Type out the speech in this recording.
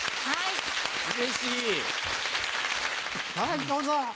はいどうぞ。